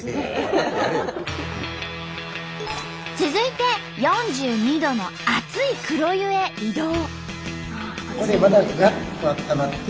続いて４２℃の熱い黒湯へ移動。